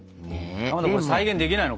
かまどこれ再現できないの？